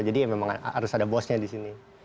jadi memang harus ada bosnya disini